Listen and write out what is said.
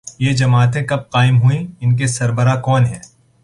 یہ جماعتیں کب قائم ہوئیں، ان کے سربراہ کون ہیں۔